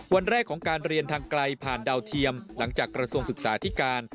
วันแรกของการเรียนทางไกลผ่านดาวเทียมหลังจากกระทรวงศึกษาที่การ